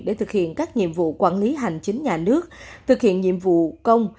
để thực hiện các nhiệm vụ quản lý hành chính nhà nước thực hiện nhiệm vụ công